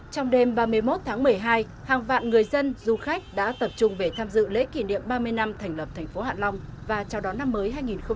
trong đêm ba mươi một tháng một mươi hai hàng vạn người dân du khách đã tập trung về tham dự lễ kỷ niệm ba mươi năm thành lập thành phố hạ long và chào đón năm mới hai nghìn hai mươi